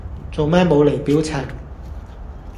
做咩冇厘表情